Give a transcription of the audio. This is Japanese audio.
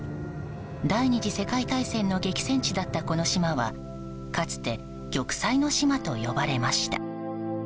第２次世界大戦の激戦地だったこの島はかつて、玉砕の島と呼ばれました。